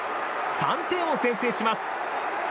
３点を先制します。